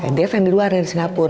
ndf yang di luar yang di singapura